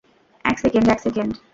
এক সেকেন্ড, এক সেকেন্ড।